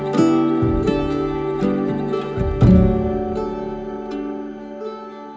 โปรดติดตามตอนต่อไป